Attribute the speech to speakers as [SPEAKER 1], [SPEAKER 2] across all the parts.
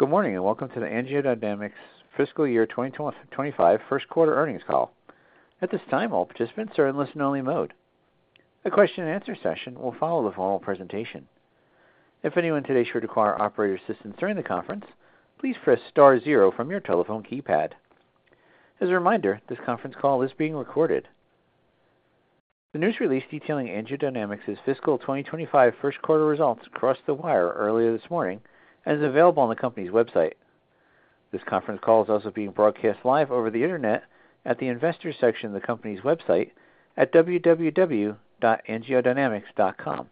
[SPEAKER 1] Good morning, and welcome to the AngioDynamics Fiscal Year 2025 First Quarter Earnings Call. At this time, all participants are in listen-only mode. A question-and-answer session will follow the formal presentation. If anyone today should require operator assistance during the conference, please press star zero from your telephone keypad. As a reminder, this conference call is being recorded. The news release detailing AngioDynamics's fiscal 2025 first quarter results crossed the wire earlier this morning and is available on the company's website. This conference call is also being broadcast live over the internet at the Investors section of the company's website at www.angiodynamics.com.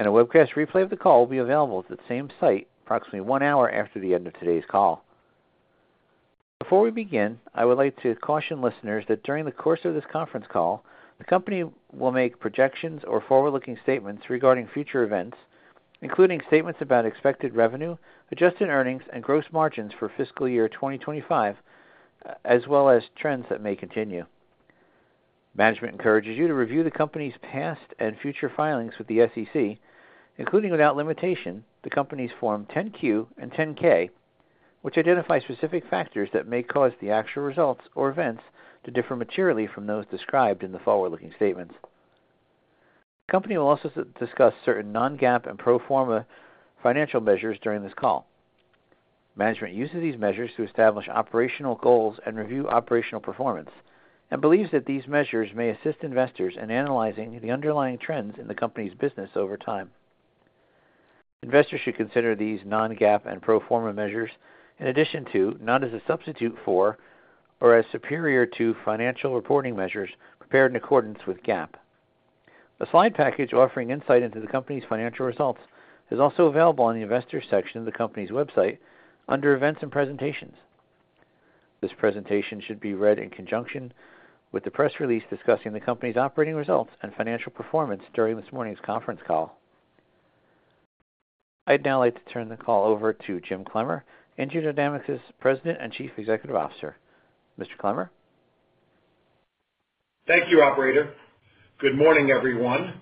[SPEAKER 1] And a webcast replay of the call will be available at the same site approximately one hour after the end of today's call. Before we begin, I would like to caution listeners that during the course of this conference call, the company will make projections or forward-looking statements regarding future events, including statements about expected revenue, adjusted earnings, and gross margins for fiscal year 2025, as well as trends that may continue. Management encourages you to review the company's past and future filings with the SEC, including, without limitation, the company's Form 10-Q and 10-K, which identify specific factors that may cause the actual results or events to differ materially from those described in the forward-looking statements. The company will also discuss certain non-GAAP and pro forma financial measures during this call. Management uses these measures to establish operational goals and review operational performance and believes that these measures may assist investors in analyzing the underlying trends in the company's business over time. Investors should consider these non-GAAP and pro forma measures in addition to, not as a substitute for or as superior to, financial reporting measures prepared in accordance with GAAP. A slide package offering insight into the company's financial results is also available on the Investors section of the company's website under Events and Presentations. This presentation should be read in conjunction with the press release discussing the company's operating results and financial performance during this morning's conference call. I'd now like to turn the call over to Jim Clemmer, AngioDynamics' President and Chief Executive Officer. Mr. Clemmer?
[SPEAKER 2] Thank you, operator. Good morning, everyone,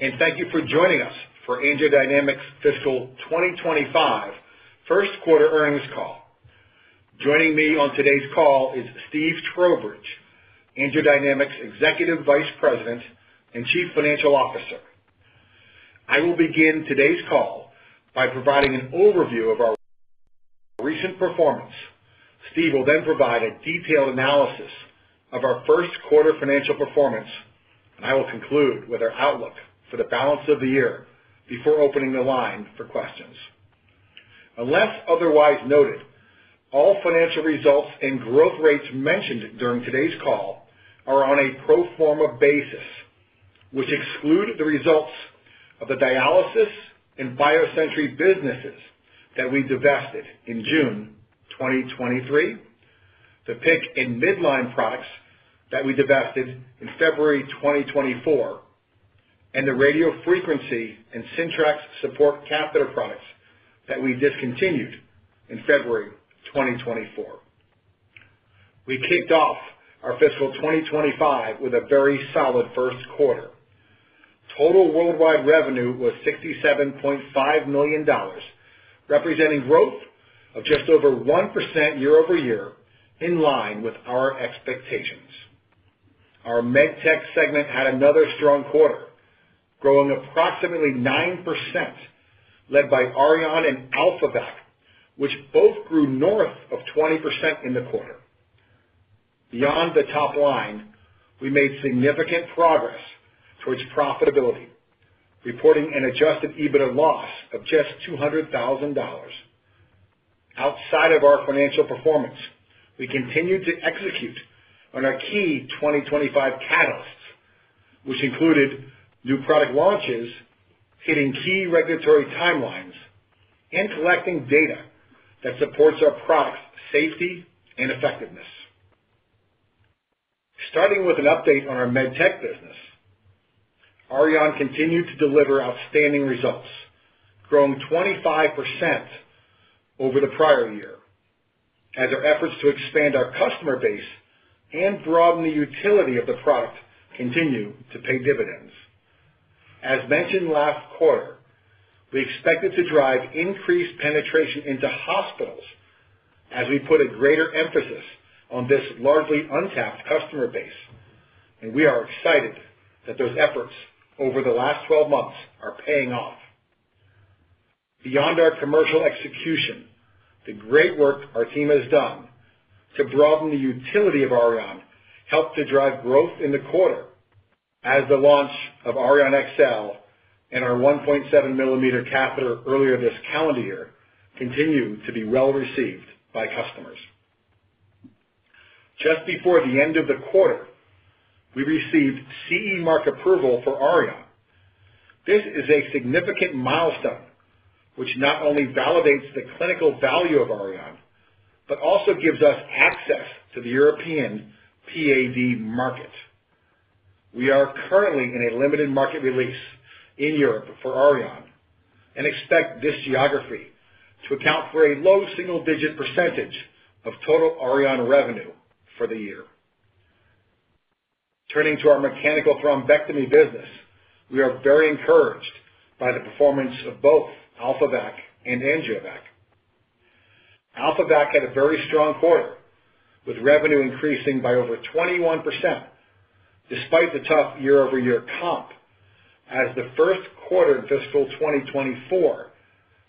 [SPEAKER 2] and thank you for joining us for AngioDynamics' fiscal 2025 first quarter earnings call. Joining me on today's call is Steve Trowbridge, AngioDynamics' Executive Vice President and Chief Financial Officer. I will begin today's call by providing an overview of our recent performance. Steve will then provide a detailed analysis of our first quarter financial performance, and I will conclude with our outlook for the balance of the year before opening the line for questions. Unless otherwise noted, all financial results and growth rates mentioned during today's call are on a pro forma basis, which exclude the results of the Dialysis and BioSentry businesses that we divested in June 2023, the PICC and Midline products that we divested in February 2024, and the radiofrequency and Syntrax support catheter products that we discontinued in February 2024. We kicked off our fiscal 2025 with a very solid first quarter. Total worldwide revenue was $67.5 million, representing growth of just over 1% year-over-year, in line with our expectations. Our MedTech segment had another strong quarter, growing approximately 9%, led by Auryon and AlphaVac, which both grew north of 20% in the quarter. Beyond the top line, we made significant progress towards profitability, reporting an adjusted EBITDA loss of just $200,000. Outside of our financial performance, we continued to execute on our key 2025 catalysts, which included new product launches, hitting key regulatory timelines, and collecting data that supports our products' safety and effectiveness. Starting with an update on our MedTech business, Auryon continued to deliver outstanding results, growing 25% over the prior year, as our efforts to expand our customer base and broaden the utility of the product continue to pay dividends. As mentioned last quarter, we expected to drive increased penetration into hospitals as we put a greater emphasis on this largely untapped customer base, and we are excited that those efforts over the last twelve months are paying off. Beyond our commercial execution, the great work our team has done to broaden the utility of Auryon helped to drive growth in the quarter as the launch of Auryon XL and our 1.7 mm catheter earlier this calendar year continued to be well received by customers. Just before the end of the quarter, we received CE Mark approval for Auryon. This is a significant milestone, which not only validates the clinical value of Auryon, but also gives us access to the European PAD market. We are currently in a limited market release in Europe for Auryon and expect this geography to account for a low single-digit % of total Auryon revenue for the year. Turning to our mechanical thrombectomy business, we are very encouraged by the performance of both AlphaVac and AngioVac. AlphaVac had a very strong quarter, with revenue increasing by over 21% despite the tough year-over-year comp, as the first quarter of fiscal 2024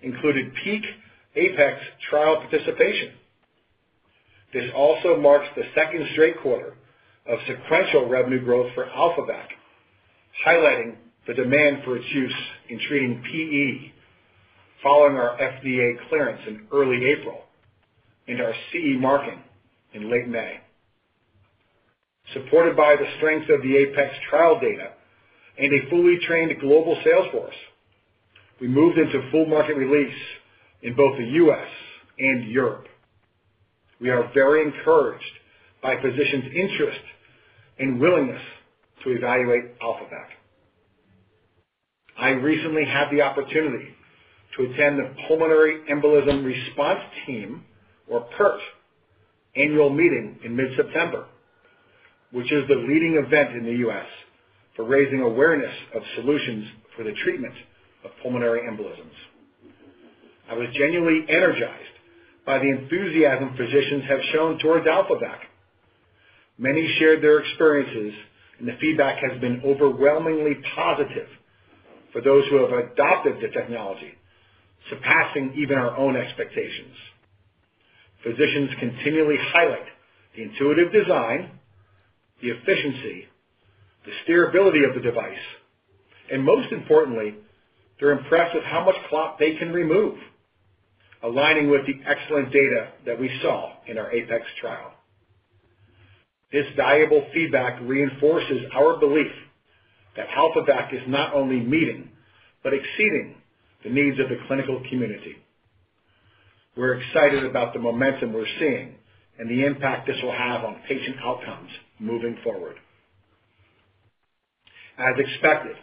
[SPEAKER 2] included peak APEX trial participation. This also marks the second straight quarter of sequential revenue growth for AlphaVac, highlighting the demand for its use in treating PE following our FDA clearance in early April and our CE marking in late May. Supported by the strength of the APEX trial data and a fully trained global sales force, we moved into full market release in both the U.S. and Europe. We are very encouraged by physicians' interest and willingness to evaluate AlphaVac. I recently had the opportunity to attend the Pulmonary Embolism Response Team, or PERT, annual meeting in mid-September, which is the leading event in the U.S. for raising awareness of solutions for the treatment of pulmonary embolisms. I was genuinely energized by the enthusiasm physicians have shown towards AlphaVac. Many shared their experiences, and the feedback has been overwhelmingly positive for those who have adopted the technology, surpassing even our own expectations. Physicians continually highlight the intuitive design, the efficiency, the steerability of the device, and most importantly, they're impressed with how much clot they can remove, aligning with the excellent data that we saw in our APEX trial. This valuable feedback reinforces our belief that AlphaVac is not only meeting, but exceeding the needs of the clinical community. We're excited about the momentum we're seeing and the impact this will have on patient outcomes moving forward. As expected,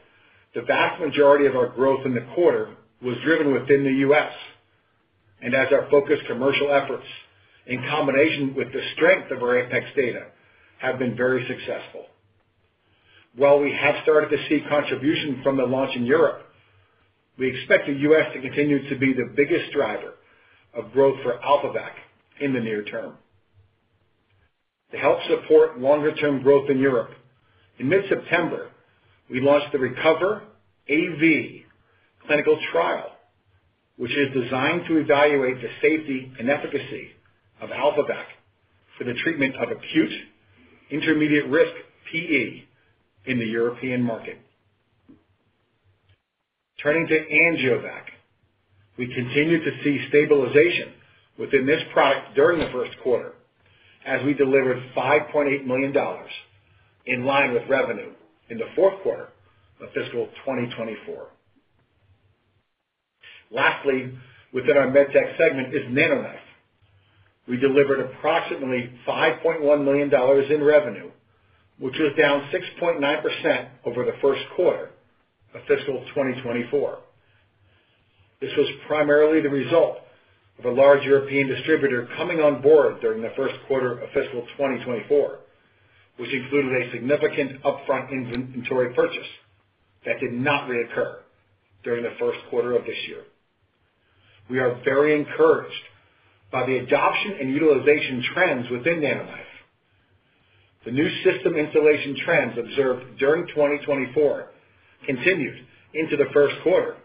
[SPEAKER 2] the vast majority of our growth in the quarter was driven within the U.S., and as our focused commercial efforts in combination with the strength of our APEX data, have been very successful. While we have started to see contribution from the launch in Europe, we expect the U.S. to continue to be the biggest driver of growth for AlphaVac in the near term. To help support longer-term growth in Europe, in mid-September, we launched the RECOVER-AV clinical trial, which is designed to evaluate the safety and efficacy of AlphaVac for the treatment of acute intermediate risk PE in the European market. Turning to AngioVac, we continued to see stabilization within this product during the first quarter, as we delivered $5.8 million in line with revenue in the fourth quarter of fiscal 2024. Lastly, within our MedTech segment is NanoKnife. We delivered approximately $5.1 million in revenue, which was down 6.9% over the first quarter of fiscal 2024. This was primarily the result of a large European distributor coming on board during the first quarter of fiscal 2024, which included a significant upfront inventory purchase that did not reoccur during the first quarter of this year. We are very encouraged by the adoption and utilization trends within NanoKnife. The new system installation trends observed during 2024 continued into the first quarter of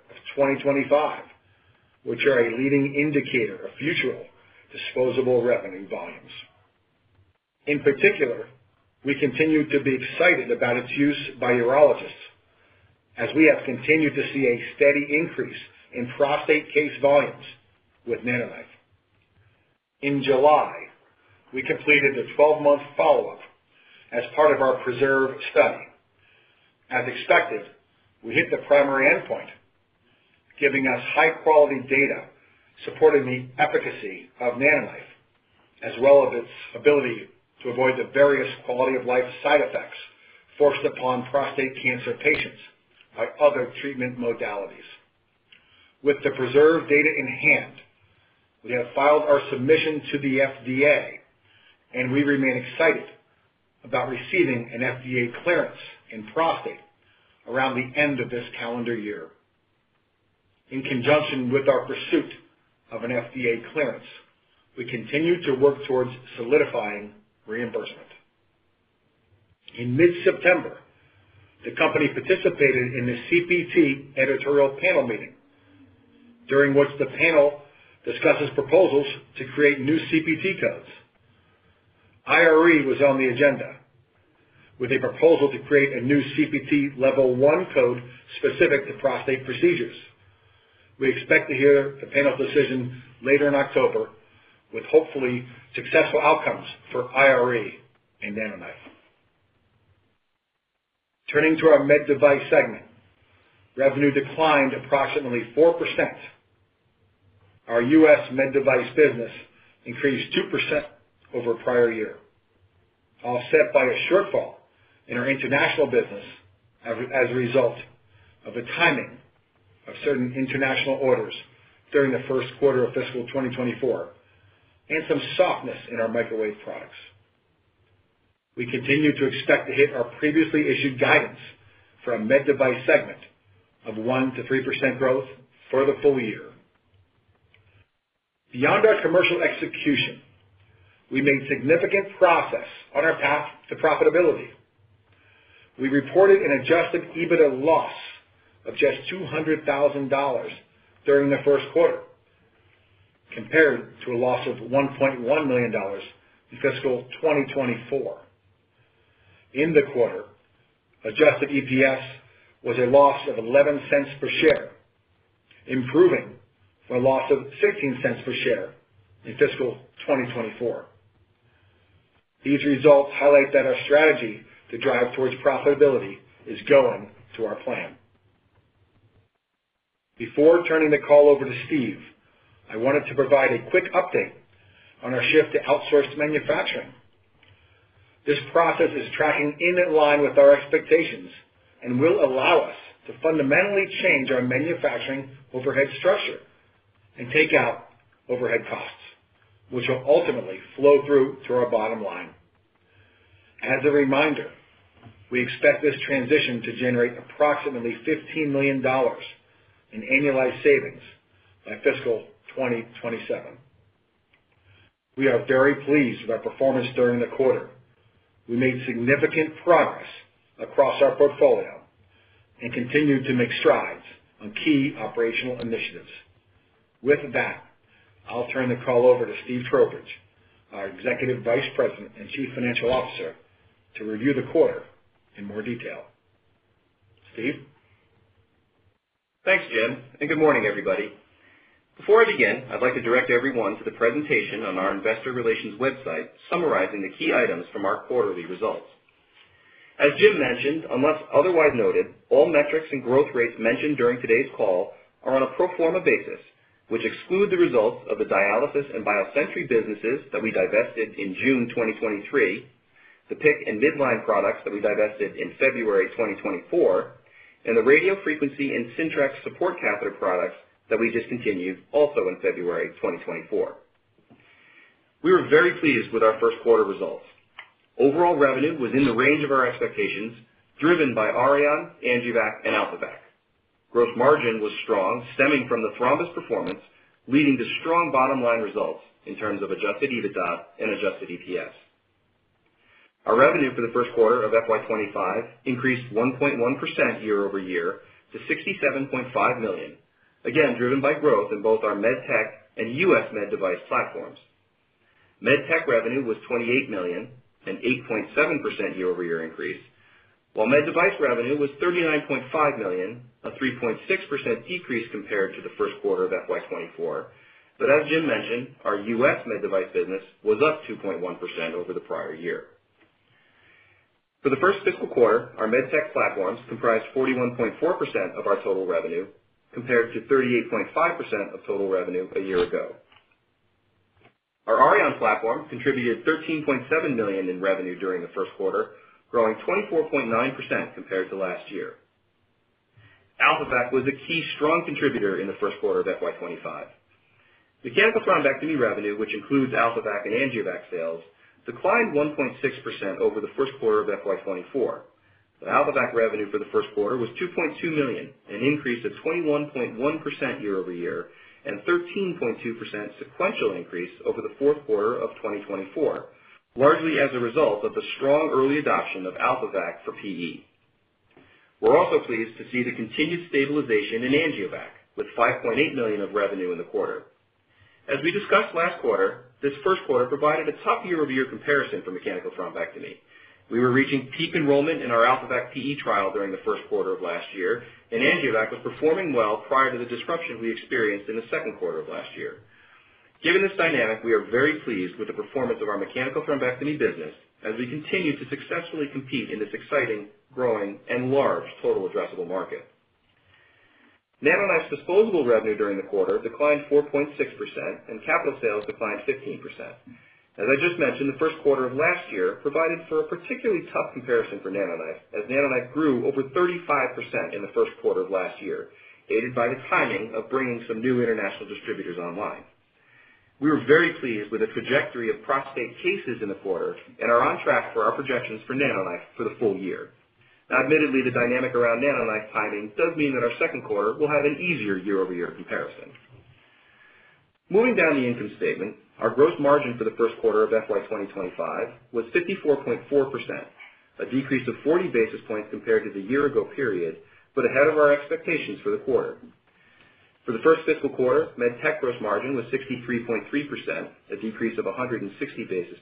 [SPEAKER 2] 2025, which are a leading indicator of future disposable revenue volumes. In particular, we continue to be excited about its use by urologists, as we have continued to see a steady increase in prostate case volumes with NanoKnife. In July, we completed the twelve-month follow-up as part of our PRESERVE study. As expected, we hit the primary endpoint, giving us high-quality data supporting the efficacy of NanoKnife, as well as its ability to avoid the various quality of life side effects forced upon prostate cancer patients by other treatment modalities. With the PRESERVE data in hand, we have filed our submission to the FDA, and we remain excited about receiving an FDA clearance in prostate around the end of this calendar year. In conjunction with our pursuit of an FDA clearance, we continue to work towards solidifying reimbursement. In mid-September, the company participated in the CPT editorial panel meeting, during which the panel discusses proposals to create new CPT codes. IRE was on the agenda, with a proposal to create a new CPT Level 1 code specific to prostate procedures. We expect to hear the panel's decision later in October, with hopefully successful outcomes for IRE and NanoKnife. Turning to our Med Device segment, revenue declined approximately 4%. Our U.S. Med Device business increased 2% over prior year, offset by a shortfall in our international business as a result of the timing of certain international orders during the first quarter of fiscal 2024, and some softness in our microwave products. We continue to expect to hit our previously issued guidance for our Med Device segment of 1%-3% growth for the full year. Beyond our commercial execution, we made significant progress on our path to profitability. We reported an adjusted EBITDA loss of just $200,000 during the first quarter, compared to a loss of $1.1 million in fiscal 2024. In the quarter, adjusted EPS was a loss of $0.11 per share, improving from a loss of $0.16 per share in fiscal 2024. These results highlight that our strategy to drive towards profitability is going to our plan. Before turning the call over to Steve, I wanted to provide a quick update on our shift to outsourced manufacturing. This process is tracking in line with our expectations and will allow us to fundamentally change our manufacturing overhead structure and take out overhead costs, which will ultimately flow through to our bottom line. As a reminder, we expect this transition to generate approximately $15 million in annualized savings by fiscal 2027. We are very pleased with our performance during the quarter. We made significant progress across our portfolio and continued to make strides on key operational initiatives. With that, I'll turn the call over to Steve Trowbridge, our Executive Vice President and Chief Financial Officer, to review the quarter in more detail. Steve?
[SPEAKER 3] Thanks, Jim, and good morning, everybody. Before I begin, I'd like to direct everyone to the presentation on our investor relations website, summarizing the key items from our quarterly results. As Jim mentioned, unless otherwise noted, all metrics and growth rates mentioned during today's call are on a pro forma basis, which exclude the results of the Dialysis and BioSentry businesses that we divested in June 2023, the PICC and Midline products that we divested in February 2024, and the radiofrequency and Syntrax support catheter products that we discontinued also in February 2024. We were very pleased with our first quarter results. Overall revenue was in the range of our expectations, driven by Auryon, AngioVac, and AlphaVac. Gross margin was strong, stemming from the thrombus performance, leading to strong bottom line results in terms of adjusted EBITDA and adjusted EPS. Our revenue for the first quarter of FY 2025 increased 1.1% year-over-year to $67.5 million, again, driven by growth in both our MedTech and U.S. Med Device platforms. MedTech revenue was $28 million, an 8.7% year-over-year increase, while Med Device revenue was $39.5 million, a 3.6% decrease compared to the first quarter of FY 2024. But as Jim mentioned, our U.S. Med Device business was up 2.1% over the prior year. For the first fiscal quarter, our MedTech platforms comprised 41.4% of our total revenue, compared to 38.5% of total revenue a year ago. Our Auryon platform contributed $13.7 million in revenue during the first quarter, growing 24.9% compared to last year. AlphaVac was a key strong contributor in the first quarter of FY 2025. Mechanical thrombectomy revenue, which includes AlphaVac and AngioVac sales, declined 1.6% over the first quarter of FY 2024, but AlphaVac revenue for the first quarter was $2.2 million, an increase of 21.1% year-over-year and 13.2% sequential increase over the fourth quarter of 2024, largely as a result of the strong early adoption of AlphaVac for PE. We're also pleased to see the continued stabilization in AngioVac, with $5.8 million of revenue in the quarter. As we discussed last quarter, this first quarter provided a tough year-over-year comparison for mechanical thrombectomy. We were reaching peak enrollment in our AlphaVac PE trial during the first quarter of last year, and AngioVac was performing well prior to the disruption we experienced in the second quarter of last year. Given this dynamic, we are very pleased with the performance of our mechanical thrombectomy business as we continue to successfully compete in this exciting, growing, and large total addressable market. NanoKnife's disposable revenue during the quarter declined 4.6%, and capital sales declined 15%. As I just mentioned, the first quarter of last year provided for a particularly tough comparison for NanoKnife, as NanoKnife grew over 35% in the first quarter of last year, aided by the timing of bringing some new international distributors online. We were very pleased with the trajectory of prostate cases in the quarter and are on track for our projections for NanoKnife for the full year. Now, admittedly, the dynamic around NanoKnife timing does mean that our second quarter will have an easier year-over-year comparison. Moving down the income statement, our gross margin for the first quarter of FY 2025 was 54.4%, a decrease of 40 basis points compared to the year ago period, but ahead of our expectations for the quarter. For the first fiscal quarter, MedTech gross margin was 63.3%, a decrease of 160 basis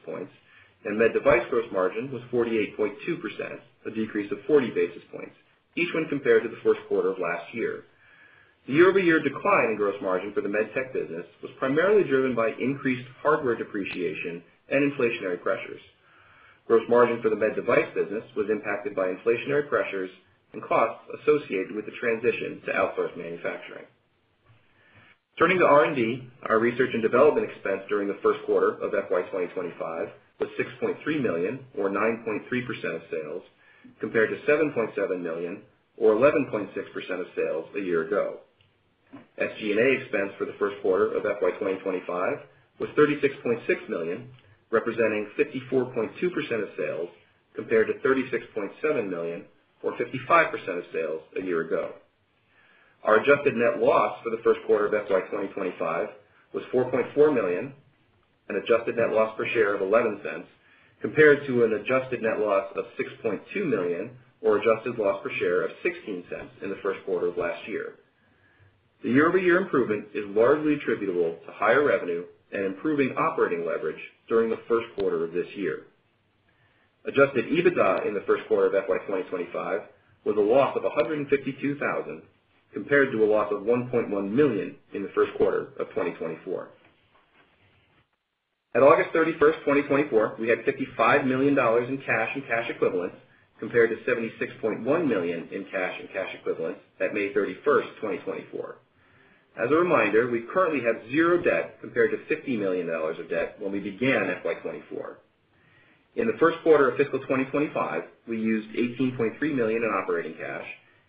[SPEAKER 3] points, and Med Device gross margin was 48.2%, a decrease of 40 basis points, each one compared to the first quarter of last year. The year-over-year decline in gross margin for the MedTech business was primarily driven by increased hardware depreciation and inflationary pressures. Gross margin for the Med Device business was impacted by inflationary pressures and costs associated with the transition to outsourced manufacturing. Turning to R&D, our research and development expense during the first quarter of FY 2025 was $6.3 million, or 9.3% of sales, compared to $7.7 million, or 11.6% of sales a year ago. SG&A expense for the first quarter of FY 2025 was $36.6 million, representing 54.2% of sales, compared to $36.7 million, or 55% of sales a year ago. Our adjusted net loss for the first quarter of FY 2025 was $4.4 million, an adjusted net loss per share of $0.11, compared to an adjusted net loss of $6.2 million, or adjusted loss per share of $0.16 in the first quarter of last year. The year-over-year improvement is largely attributable to higher revenue and improving operating leverage during the first quarter of this year. Adjusted EBITDA in the first quarter of FY 2025 was a loss of $152,000, compared to a loss of $1.1 million in the first quarter of 2024. At August 31st, 2024, we had $55 million in cash and cash equivalents, compared to $76.1 million in cash and cash equivalents at May 31st, 2024. As a reminder, we currently have zero debt compared to $50 million of debt when we began FY 2024. In the first quarter of fiscal 2025, we used $18.3 million in operating cash,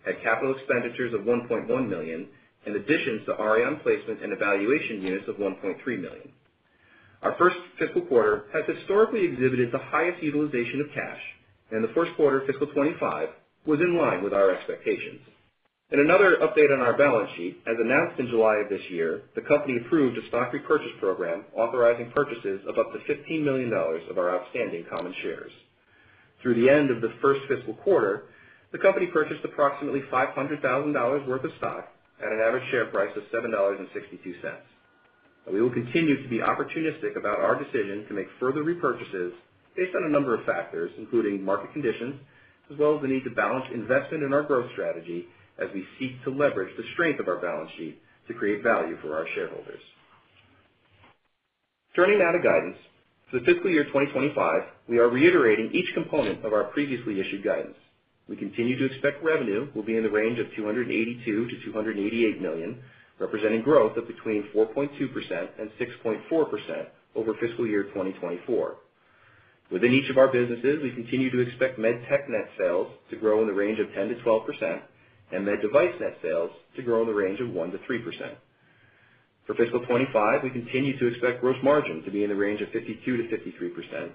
[SPEAKER 3] had capital expenditures of $1.1 million, in addition to Auryon placement and evaluation units of $1.3 million. Our first fiscal quarter has historically exhibited the highest utilization of cash, and the first quarter of fiscal 2025 was in line with our expectations. In another update on our balance sheet, as announced in July of this year, the company approved a stock repurchase program authorizing purchases of up to $15 million of our outstanding common shares. Through the end of the first fiscal quarter, the company purchased approximately $500,000 worth of stock at an average share price of $7.62, and we will continue to be opportunistic about our decision to make further repurchases based on a number of factors, including market conditions, as well as the need to balance investment in our growth strategy as we seek to leverage the strength of our balance sheet to create value for our shareholders. Turning now to guidance. For fiscal year 2025, we are reiterating each component of our previously issued guidance. We continue to expect revenue will be in the range of $282 million-$288 million, representing growth of between 4.2% and 6.4% over fiscal year 2024. Within each of our businesses, we continue to expect MedTech net sales to grow in the range of 10-12% and Med Device net sales to grow in the range of 1-3%. For fiscal 2025, we continue to expect gross margin to be in the range of 52%-53%,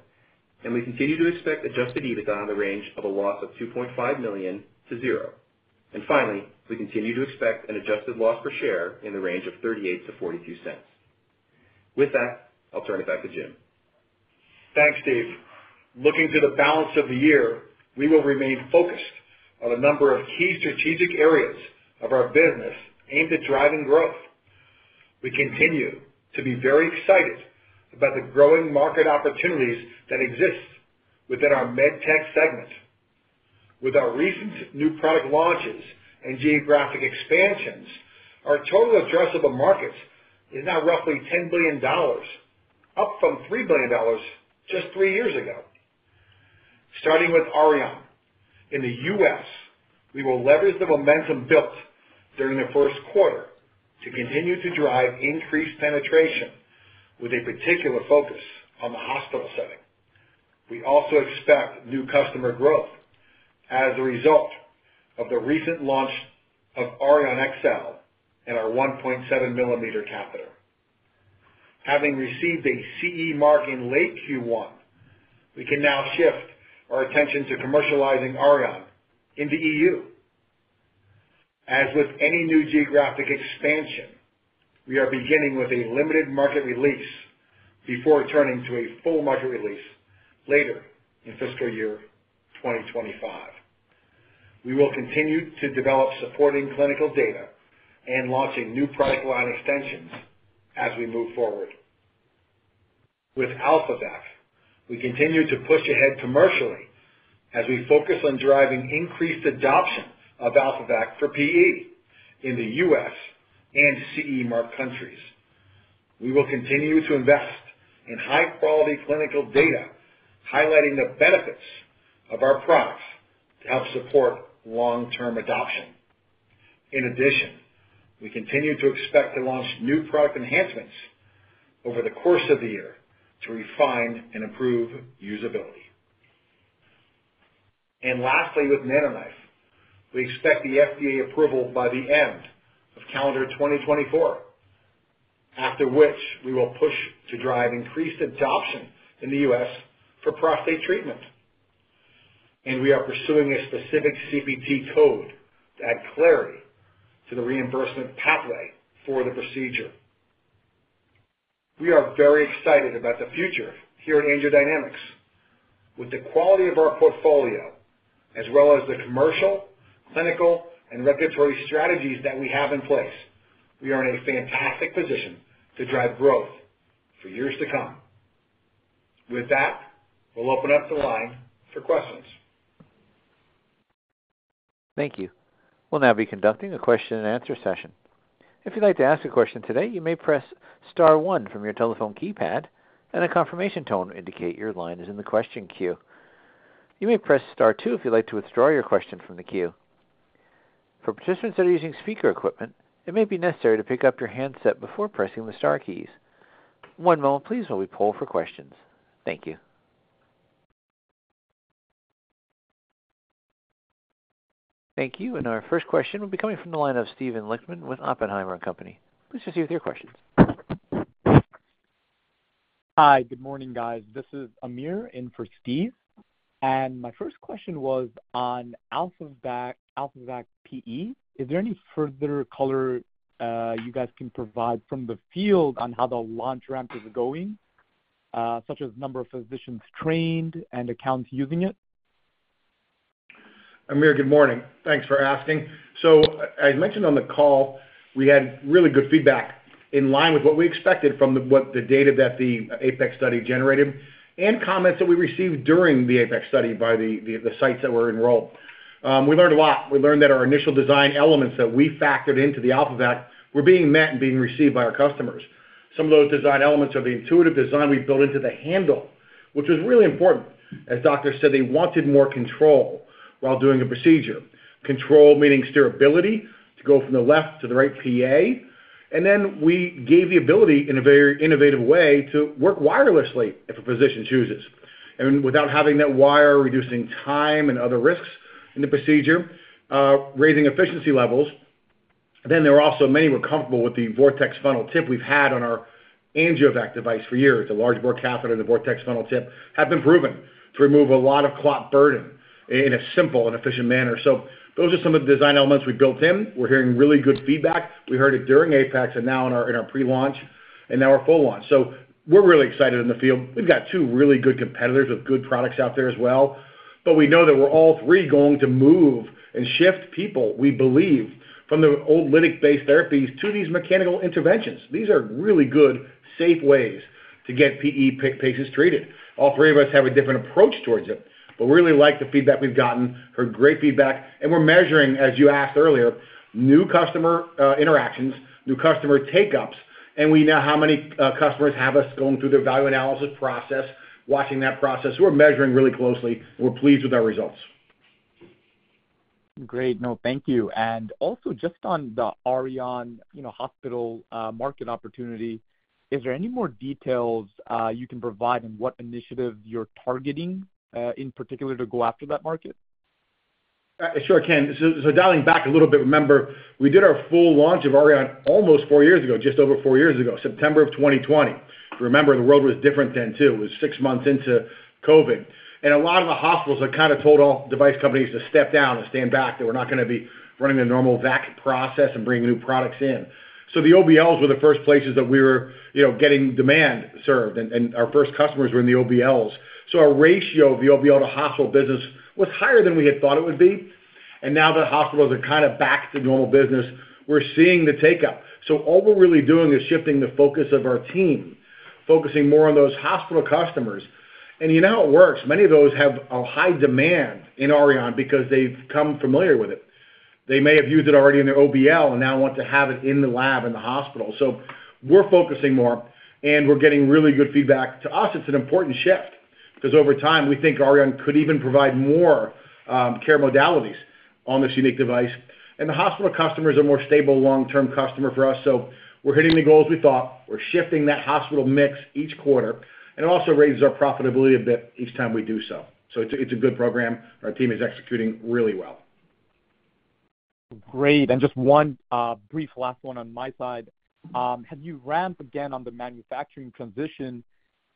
[SPEAKER 3] and we continue to expect adjusted EBITDA in the range of a loss of $2.5 million to $0. Finally, we continue to expect an adjusted loss per share in the range of $0.38 to $0.42. With that, I'll turn it back to Jim.
[SPEAKER 2] Thanks, Steve. Looking to the balance of the year, we will remain focused on a number of key strategic areas of our business aimed at driving growth. We continue to be very excited about the growing market opportunities that exist within our MedTech segment. With our recent new product launches and geographic expansions, our total addressable market is now roughly $10 billion, up from $3 billion just three years ago. Starting with Auryon. In the U.S., we will leverage the momentum built during the first quarter to continue to drive increased penetration, with a particular focus on the hospital setting. We also expect new customer growth as a result of the recent launch of Auryon XL and our 1.7 mm catheter. Having received CE Mark in late Q1, we can now shift our attention to commercializing Auryon in the EU. As with any new geographic expansion, we are beginning with a limited market release before turning to a full market release later in fiscal year 2025. We will continue to develop supporting clinical data and launching new product line extensions as we move forward. With AlphaVac, we continue to push ahead commercially as we focus on driving increased adoption of AlphaVac for PE in the U.S. and CE Mark countries. We will continue to invest in high-quality clinical data, highlighting the benefits of our products to help support long-term adoption. In addition, we continue to expect to launch new product enhancements over the course of the year to refine and improve usability. And lastly, with NanoKnife, we expect the FDA approval by the end of calendar 2024, after which we will push to drive increased adoption in the U.S. for prostate treatment. We are pursuing a specific CPT code to add clarity to the reimbursement pathway for the procedure. We are very excited about the future here at AngioDynamics. With the quality of our portfolio, as well as the commercial, clinical, and regulatory strategies that we have in place, we are in a fantastic position to drive growth for years to come. With that, we'll open up the line for questions.
[SPEAKER 1] Thank you. We'll now be conducting a question-and-answer session. If you'd like to ask a question today, you may press star one from your telephone keypad, and a confirmation tone will indicate your line is in the question queue. You may press star two if you'd like to withdraw your question from the queue. For participants that are using speaker equipment, it may be necessary to pick up your handset before pressing the star keys. One moment please, while we poll for questions. Thank you. Thank you. And our first question will be coming from the line of Steven Lichtman with Oppenheimer & Co. Please proceed with your questions.
[SPEAKER 4] Hi, good morning, guys. This is Amir in for Steve, and my first question was on AlphaVac, AlphaVac PE. Is there any further color, you guys can provide from the field on how the launch ramp is going, such as number of physicians trained and accounts using it?
[SPEAKER 2] Amir, good morning. Thanks for asking. So as mentioned on the call, we had really good feedback in line with what we expected from what the data that the APEX study generated and comments that we received during the APEX study by the sites that were enrolled. We learned a lot. We learned that our initial design elements that we factored into the AlphaVac were being met and being received by our customers. Some of those design elements are the intuitive design we built into the handle, which was really important, as doctors said they wanted more control while doing a procedure. Control, meaning steerability, to go from the left to the right PA. And then we gave the ability in a very innovative way to work wirelessly if a physician chooses, and without having that wire, reducing time and other risks in the procedure, raising efficiency levels. Then there were also many were comfortable with the Vortex funnel tip we've had on our AngioVac device for years. The large bore catheter and the Vortex funnel tip have been proven to remove a lot of clot burden in a simple and efficient manner. So those are some of the design elements we built in. We're hearing really good feedback. We heard it during APEX and now in our pre-launch and now our full launch. So we're really excited in the field. We've got two really good competitors with good products out there as well, but we know that we're all three going to move and shift people, we believe, from the old lytic-based therapies to these mechanical interventions. These are really good, safe ways to get PE patients treated. All three of us have a different approach towards it, but we really like the feedback we've gotten, heard great feedback, and we're measuring, as you asked earlier, new customer interactions, new customer take-ups, and we know how many customers have us going through their value analysis process, watching that process. We're measuring really closely. We're pleased with our results.
[SPEAKER 4] Great. No, thank you. And also, just on the Auryon, you know, hospital market opportunity, is there any more details you can provide on what initiative you're targeting in particular to go after that market?
[SPEAKER 2] I sure can. So, dialing back a little bit, remember, we did our full launch of Auryon almost four years ago, just over four years ago, September of 2020. Remember, the world was different then, too. It was six months into COVID, and a lot of the hospitals had kind of told all device companies to step down and stand back, that we're not going to be running a normal VAC process and bringing new products in. So the OBLs were the first places that we were, you know, getting demand served, and our first customers were in the OBLs. So our ratio of the OBL to hospital business was higher than we had thought it would be, and now that hospitals are kind of back to normal business, we're seeing the take up. So all we're really doing is shifting the focus of our team, focusing more on those hospital customers. And you know how it works. Many of those have a high demand in Auryon because they've become familiar with it. They may have used it already in their OBL and now want to have it in the lab, in the hospital. So we're focusing more, and we're getting really good feedback. To us, it's an important shift because over time, we think Auryon could even provide more care modalities on this unique device. And the hospital customers are more stable long-term customer for us. So we're hitting the goals we thought. We're shifting that hospital mix each quarter, and it also raises our profitability a bit each time we do so. So it's a good program. Our team is executing really well.
[SPEAKER 4] Great. And just one, brief last one on my side. As you ramp again on the manufacturing transition,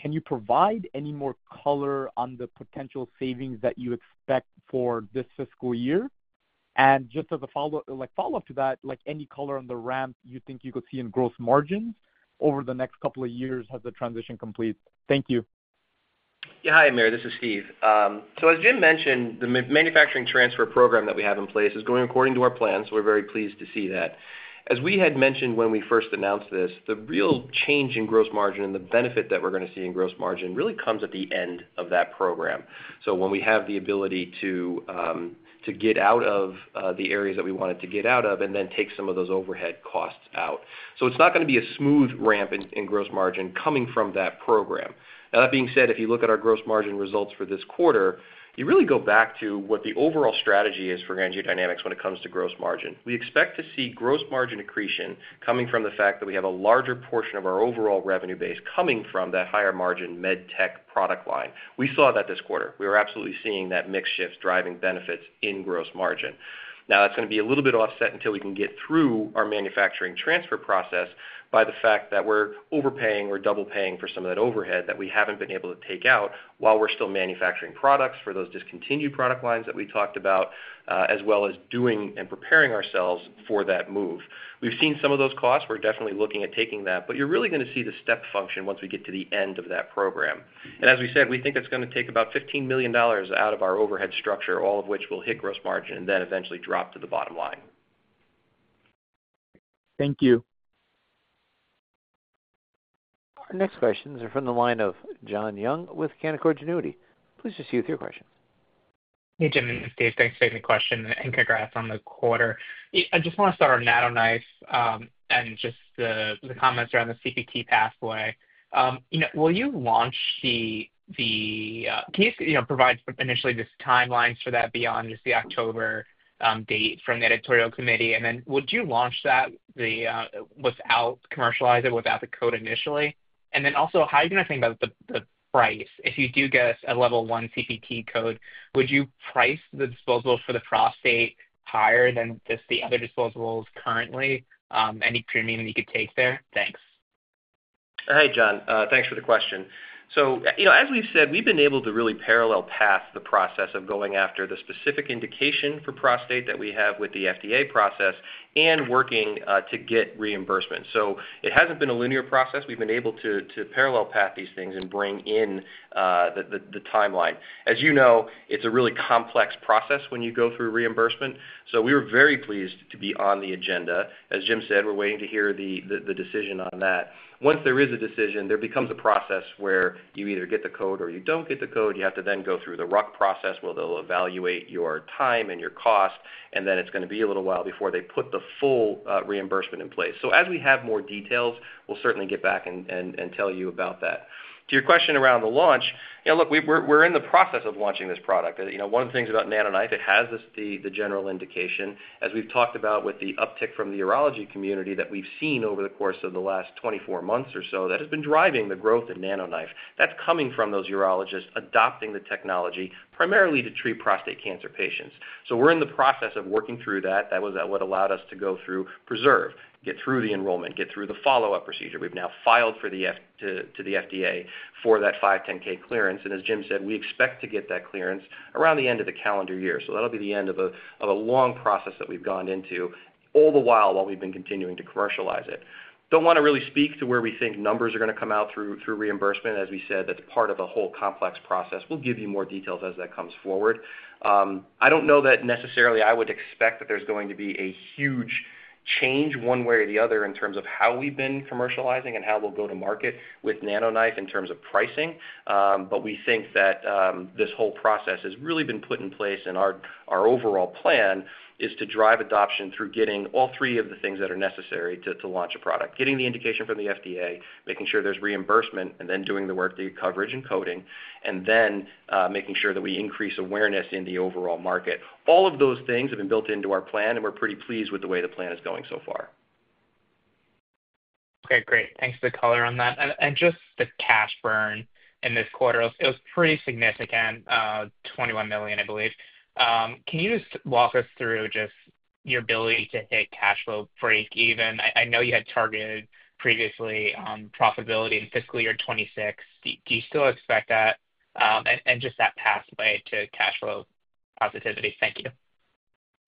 [SPEAKER 4] can you provide any more color on the potential savings that you expect for this fiscal year? And just as a follow-up, like, follow-up to that, like, any color on the ramp you think you could see in gross margins over the next couple of years as the transition completes? Thank you.
[SPEAKER 3] Yeah. Hi, Amir, this is Steve. So as Jim mentioned, the manufacturing transfer program that we have in place is going according to our plans. We're very pleased to see that. As we had mentioned when we first announced this, the real change in gross margin and the benefit that we're going to see in gross margin really comes at the end of that program. So when we have the ability to get out of the areas that we wanted to get out of and then take some of those overhead costs out. So it's not going to be a smooth ramp in gross margin coming from that program. Now, that being said, if you look at our gross margin results for this quarter, you really go back to what the overall strategy is for AngioDynamics when it comes to gross margin. We expect to see gross margin accretion coming from the fact that we have a larger portion of our overall revenue base coming from that higher margin med tech product line. We saw that this quarter. We are absolutely seeing that mix shift driving benefits in gross margin. Now, that's going to be a little bit offset until we can get through our manufacturing transfer process by the fact that we're overpaying or double paying for some of that overhead that we haven't been able to take out while we're still manufacturing products for those discontinued product lines that we talked about, as well as doing and preparing ourselves for that move. We've seen some of those costs. We're definitely looking at taking that, but you're really going to see the step function once we get to the end of that program. As we said, we think it's going to take about $15 million out of our overhead structure, all of which will hit gross margin and then eventually drop to the bottom line.
[SPEAKER 4] Thank you.
[SPEAKER 1] Our next questions are from the line of John Young with Canaccord Genuity. Please proceed with your questions.
[SPEAKER 5] Hey, Jim and Steve, thanks for taking the question, and congrats on the quarter. I just want to start on NanoKnife and just the comments around the CPT pathway. You know, can you provide initially just timelines for that beyond just the October date from the editorial committee, and then would you launch that without commercialize it, without the code initially? And then also, how are you going to think about the price? If you do get a level one CPT code, would you price the disposables for the prostate higher than just the other disposables currently? Any premium you could take there? Thanks.
[SPEAKER 3] Hey, John, thanks for the question, so you know, as we've said, we've been able to really parallel path the process of going after the specific indication for prostate that we have with the FDA process and working to get reimbursement, so it hasn't been a linear process. We've been able to parallel path these things and bring in the timeline. As you know, it's a really complex process when you go through reimbursement, so we were very pleased to be on the agenda. As Jim said, we're waiting to hear the decision on that. Once there is a decision, there becomes a process where you either get the code or you don't get the code. You have to then go through the RUC process, where they'll evaluate your time and your cost, and then it's going to be a little while before they put the full reimbursement in place. So as we have more details, we'll certainly get back and tell you about that. To your question around the launch, yeah, look, we're in the process of launching this product. You know, one of the things about NanoKnife, it has this, the general indication, as we've talked about with the uptick from the urology community that we've seen over the course of the last 24 months or so, that has been driving the growth of NanoKnife. That's coming from those urologists adopting the technology, primarily to treat prostate cancer patients. So we're in the process of working through that. That was what allowed us to go through PRESERVE, get through the enrollment, get through the follow-up procedure. We've now filed to the FDA for that 510(k) clearance, and as Jim said, we expect to get that clearance around the end of the calendar year. So that'll be the end of a long process that we've gone into, all the while we've been continuing to commercialize it. Don't want to really speak to where we think numbers are going to come out through reimbursement. As we said, that's part of a whole complex process. We'll give you more details as that comes forward. I don't know that necessarily I would expect that there's going to be a huge change one way or the other in terms of how we've been commercializing and how we'll go to market with NanoKnife in terms of pricing. But we think that this whole process has really been put in place, and our overall plan is to drive adoption through getting all three of the things that are necessary to launch a product. Getting the indication from the FDA, making sure there's reimbursement, and then doing the work, the coverage and coding, and then making sure that we increase awareness in the overall market. All of those things have been built into our plan, and we're pretty pleased with the way the plan is going so far.
[SPEAKER 5] Okay, great. Thanks for the color on that. And just the cash burn in this quarter, it was pretty significant, $21 million, I believe. Can you just walk us through just your ability to hit cash flow break even? I know you had targeted previously on profitability in fiscal year 2026. Do you still expect that? And just that pathway to cash flow positivity. Thank you.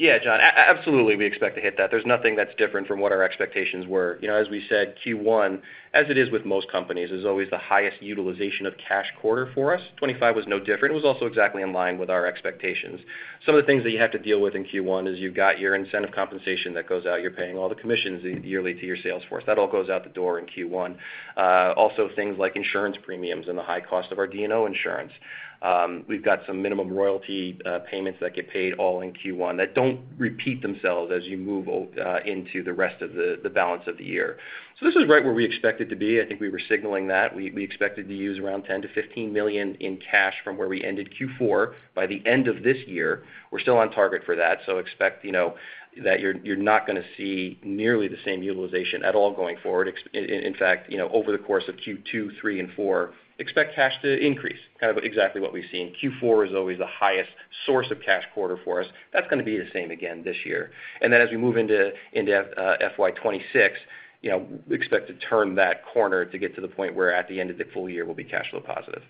[SPEAKER 3] Yeah, John, absolutely, we expect to hit that. There's nothing that's different from what our expectations were. You know, as we said, Q1, as it is with most companies, is always the highest utilization of cash quarter for us. 2025 was no different. It was also exactly in line with our expectations. Some of the things that you have to deal with in Q1 is you've got your incentive compensation that goes out. You're paying all the commissions yearly to your sales force. That all goes out the door in Q1. Also things like insurance premiums and the high cost of our D&O insurance. We've got some minimum royalty payments that get paid all in Q1, that don't repeat themselves as you move into the rest of the balance of the year. So this is right where we expected to be. I think we were signaling that. We expected to use around $10 million-$15 million in cash from where we ended Q4 by the end of this year. We're still on target for that, so expect, you know, that you're not going to see nearly the same utilization at all going forward. In fact, you know, over the course of Q2, three, and four, expect cash to increase, kind of exactly what we've seen. Q4 is always the highest source of cash quarter for us. That's going to be the same again this year. And then as we move into FY 2026, you know, we expect to turn that corner to get to the point where at the end of the full year, we'll be cash flow positive.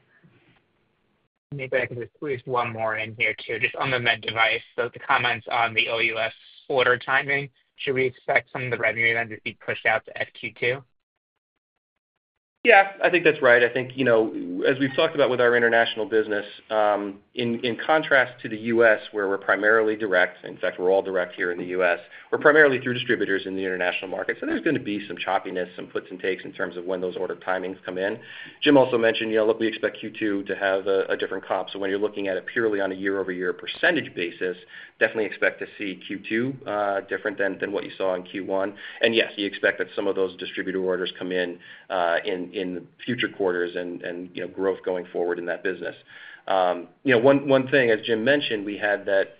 [SPEAKER 5] Maybe I can just squeeze one more in here, too. Just on the Med Device, so the comments on the OUS order timing, should we expect some of the revenue then to be pushed out to FQ2?
[SPEAKER 3] Yeah, I think that's right. I think, you know, as we've talked about with our international business, in contrast to the U.S., where we're primarily direct, in fact, we're all direct here in the U.S., we're primarily through distributors in the international market. So there's going to be some choppiness, some puts and takes in terms of when those order timings come in. Jim also mentioned, you know, look, we expect Q2 to have a different comp. So when you're looking at it purely on a year-over-year percentage basis, definitely expect to see Q2 different than what you saw in Q1. And yes, you expect that some of those distributor orders come in in future quarters and, you know, growth going forward in that business. You know, one thing, as Jim mentioned, we had that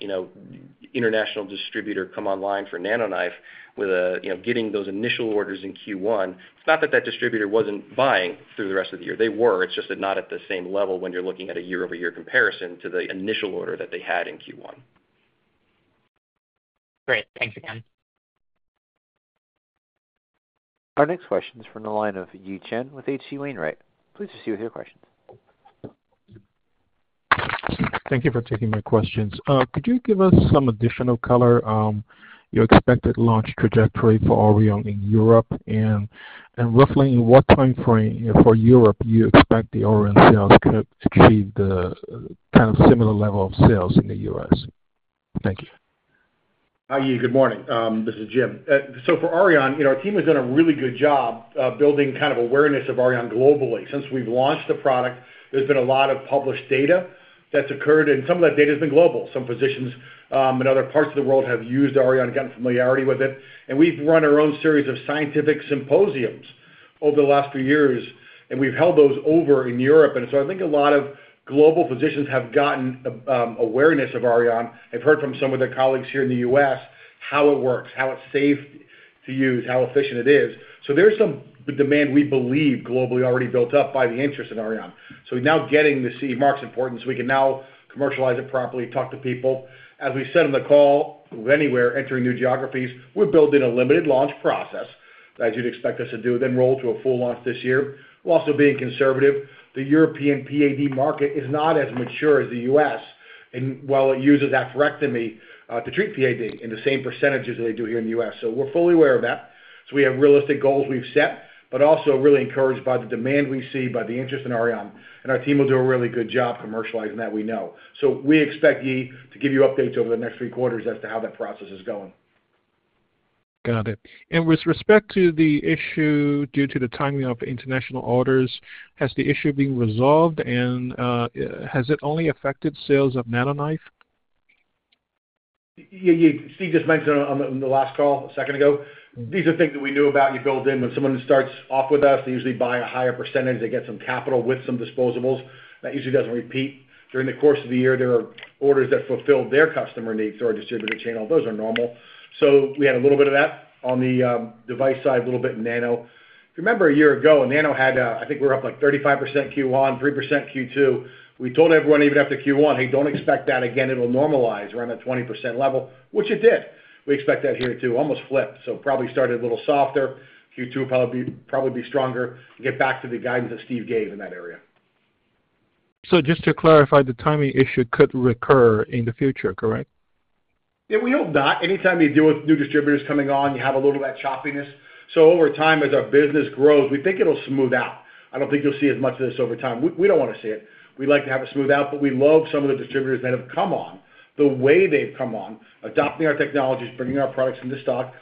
[SPEAKER 3] international distributor come online for NanoKnife with getting those initial orders in Q1. It's not that that distributor wasn't buying through the rest of the year. They were. It's just that not at the same level when you're looking at a year-over-year comparison to the initial order that they had in Q1.
[SPEAKER 5] Great. Thanks again.
[SPEAKER 1] Our next question is from the line of Yi Chen with H.C. Wainwright. Please proceed with your question.
[SPEAKER 6] Thank you for taking my questions. Could you give us some additional color on your expected launch trajectory for Auryon in Europe? And roughly in what time frame for Europe you expect the Auryon sales to achieve the kind of similar level of sales in the U.S.? Thank you.
[SPEAKER 2] Hi, Yi. Good morning. This is Jim. So for Auryon, you know, our team has done a really good job of building kind of awareness of Auryon globally. Since we've launched the product, there's been a lot of published data that's occurred, and some of that data has been global. Some physicians in other parts of the world have used Auryon and gotten familiarity with it, and we've run our own series of scientific symposiums over the last few years, and we've held those over in Europe. So I think a lot of global physicians have gotten awareness of Auryon. I've heard from some of their colleagues here in the U.S., how it works, how it's safe to use, how efficient it is. So there's some demand, we believe, globally already built up by the interest in Auryon. So we're now getting to see Mark's importance. We can now commercialize it properly, talk to people. As we said on the call, anywhere entering new geographies, we're building a limited launch process, as you'd expect us to do, then roll to a full launch this year, while also being conservative. The European PAD market is not as mature as the U.S., and while it uses atherectomy to treat PAD in the same percentages as they do here in the U.S. So we're fully aware of that. So we have realistic goals we've set, but also really encouraged by the demand we see, by the interest in Auryon, and our team will do a really good job commercializing that, we know. So we expect Yi to give you updates over the next three quarters as to how that process is going.
[SPEAKER 6] Got it. And with respect to the issue, due to the timing of international orders, has the issue been resolved, and has it only affected sales of NanoKnife?
[SPEAKER 2] Yeah, yeah. Steve just mentioned on the, on the last call a second ago, these are things that we knew about. You build in when someone starts off with us, they usually buy a higher percentage. They get some capital with some disposables. That usually doesn't repeat. During the course of the year, there are orders that fulfill their customer needs or distributor channel. Those are normal. So we had a little bit of that on the, device side, a little bit in Nano. If you remember a year ago, Nano had a I think we were up, like, 35% Q1, 3% Q2. We told everyone, even after Q1, "Hey, don't expect that again. It'll normalize around that 20% level," which it did. We expect that here to almost flip, so probably started a little softer. Q2 will probably, probably be stronger and get back to the guidance that Steve gave in that area.
[SPEAKER 6] So just to clarify, the timing issue could recur in the future, correct?
[SPEAKER 2] Yeah, we hope not. Anytime you deal with new distributors coming on, you have a little of that choppiness, so over time, as our business grows, we think it'll smooth out. I don't think you'll see as much of this over time. We, we don't wanna see it. We'd like to have it smooth out, but we love some of the distributors that have come on, the way they've come on, adopting our technologies, bringing our products into stock,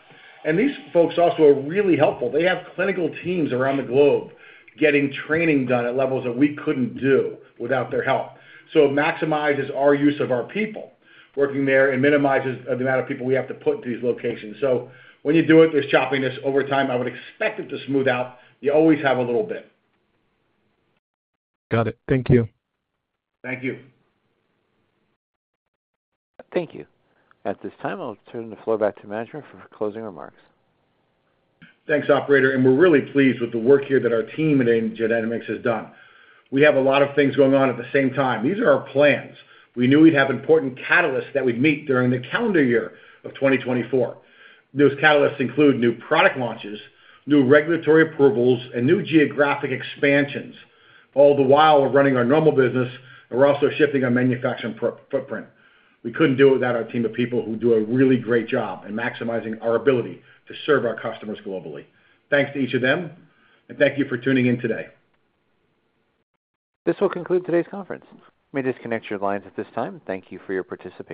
[SPEAKER 2] and these folks also are really helpful. They have clinical teams around the globe getting training done at levels that we couldn't do without their help, so it maximizes our use of our people working there and minimizes the amount of people we have to put into these locations, so when you do it, there's choppiness over time. I would expect it to smooth out. You always have a little bit.
[SPEAKER 6] Got it. Thank you.
[SPEAKER 2] Thank you.
[SPEAKER 1] Thank you. At this time, I'll turn the floor back to management for closing remarks.
[SPEAKER 2] Thanks, operator, and we're really pleased with the work here that our team at AngioDynamics has done. We have a lot of things going on at the same time. These are our plans. We knew we'd have important catalysts that we'd meet during the calendar year of twenty twenty-four. Those catalysts include new product launches, new regulatory approvals, and new geographic expansions. All the while, we're running our normal business, and we're also shifting our manufacturing footprint. We couldn't do it without our team of people who do a really great job in maximizing our ability to serve our customers globally. Thanks to each of them, and thank you for tuning in today.
[SPEAKER 1] This will conclude today's conference. You may disconnect your lines at this time. Thank you for your participation.